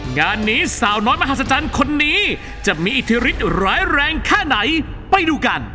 งานนี้สาวน้อยภาษาจันทร์คนนี้จะมีอิทธิฤทธิ์ร้ายแรงข้าวไหนไปดูกัน